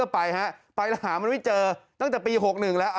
ไปแล้วหามันไม่เจอตั้งแต่ปี๒๑๖๑ละ